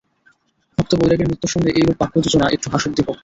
ভক্ত বৈরাগীর মৃত্যুর সঙ্গে এইরূপ বাক্যযোজনা একটু হাস্যোদ্দীপক।